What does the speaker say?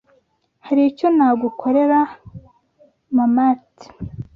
Hari icyo nagukorera? (mamat)